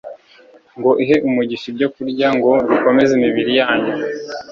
ngo ihe umugisha ibyokurya ngo bikomeze imibiri yanyu